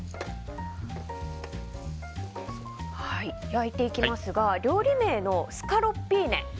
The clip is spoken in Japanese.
焼いていきますが料理名のスカロッピーネとは。